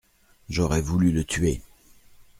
J'aurais voulu le tuer.